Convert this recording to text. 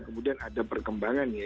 kemudian ada perkembangan ya